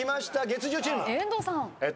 遠藤さん。